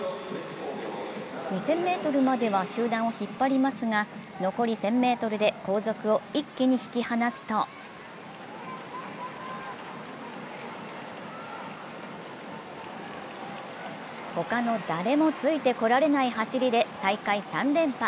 ２０００ｍまでは集団を引っ張りますが残り１０００ｍで後続を一気に引き離すと他の誰もついてこられない走りで大会３連覇。